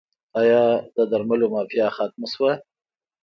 آیا د درملو مافیا ختمه شوه؟